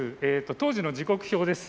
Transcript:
当時の時刻表です。